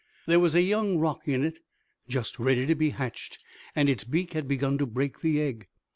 There was a young roc in it, just ready to be hatched, and its beak had begun to break the egg.